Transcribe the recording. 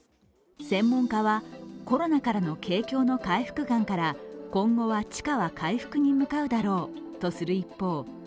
専門家は、コロナからの景況の回復感から今後は地価は回復に向かうだろうとする一方